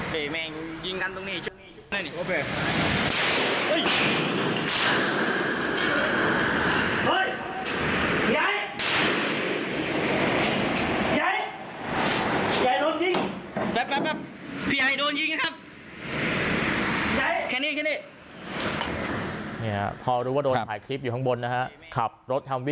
แปปพี่ไอว์โดนยิงนะครับ